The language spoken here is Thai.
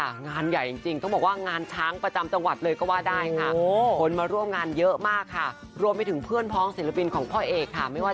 วิธีทำกลงผมนากและขวานนากเริ่มตั้งแต่เมื่อวันเสาร์ที่ผ่านมา